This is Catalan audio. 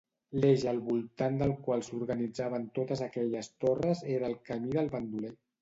L'eix al voltant del qual s'organitzaven totes aquelles torres era el camí del Bandoler.